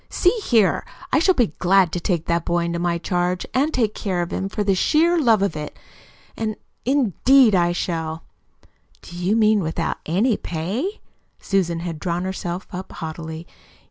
See here, I shall be glad to take that boy into my charge and take care of him for the sheer love of it indeed, I shall!" "Do you mean without ANY pay?" Susan had drawn herself up haughtily.